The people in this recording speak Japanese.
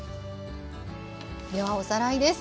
ではおさらいです。